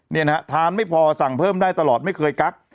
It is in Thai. นี่นะฮะทานไม่พอสั่งเพิ่มได้ตลอดไม่เคยกัก